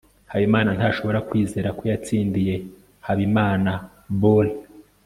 habimana ntashobora kwizera ko yatsindiye habimanabora